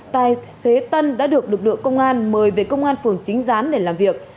tài xế tân đã được lực lượng công an mời về công an phường chính gián để làm việc